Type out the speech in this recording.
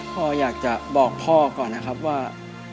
พ่ออยากจะบอกพ่อก่อนนะครับว่า